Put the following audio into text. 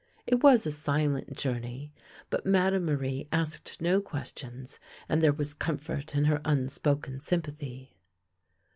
It was a silent journey, but Madame Marie asked no questions, and there was comfort in her unspoken sympathy.